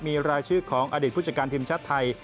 มีรายชื่อของอดีตผู้จัดการทีมชาติไทย